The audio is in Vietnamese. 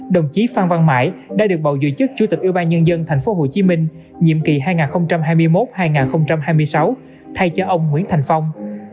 đồng chí phan văn mãi đã được bầu giữ chức chủ tịch ubnd tp hcm nhiệm kỳ hai nghìn hai mươi một hai nghìn hai mươi sáu thay cho ông nguyễn thành phong